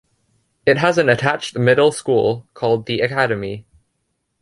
It has an attached middle school called the "Academy".